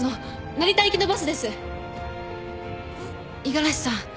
五十嵐さん